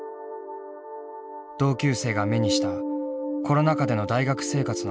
同級生が目にしたコロナ禍での大学生活のことだった。